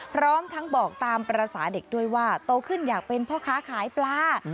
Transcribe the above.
พร้อมทั้งบอกตามภาษาเด็กด้วยว่าโตขึ้นอยากเป็นพ่อค้าขายปลา